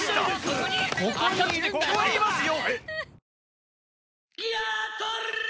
ここにいますよ！